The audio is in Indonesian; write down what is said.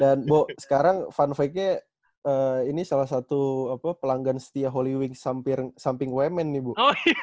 dan boy sekarang fun fact nya ini salah satu pelanggan setia holy wings samping women nih boy